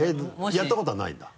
やったことはないんだ？